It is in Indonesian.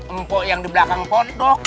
empuk yang di belakang pondok